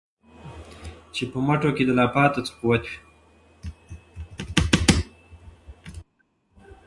چي دي مټو كي لا پاته څه قوت وي